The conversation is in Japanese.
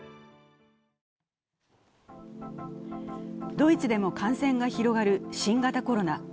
ドイツでも感染が広がる新型コロナ。